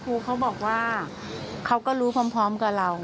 เขาบอกว่าเขาก็รู้พร้อมกับเรา